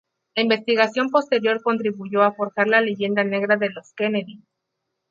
La investigación posterior contribuyó a forjar la leyenda negra de los Kennedy.